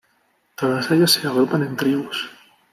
Todos ellos se agrupan en tribus.